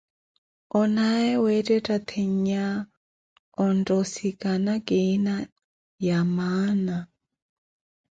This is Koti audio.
Onaye wettetta tennya ontta osikana kiina yamaana.